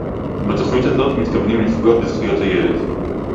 בתוכנית הזאת מתכוונים לפגוע בזכויות הילד